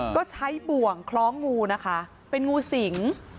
ก็ใช้บ่วงคล้องงูนะคะเป็นงูสิง